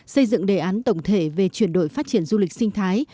xây dựng đề án tổng thể về chuyển đổi phát triển du lịch sinh thái